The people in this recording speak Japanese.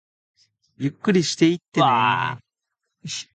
ゆっくりしていってねー